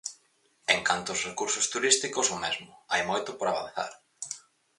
En canto aos recursos turísticos, o mesmo, hai moito por avanzar.